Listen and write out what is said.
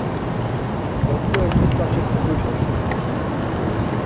T̆oxt̆ori mu t̆ǩvasen goişaşu.